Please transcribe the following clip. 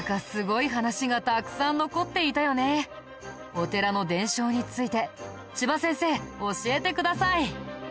お寺の伝承について千葉先生教えてください。